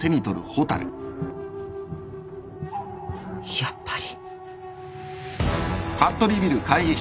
やっぱり。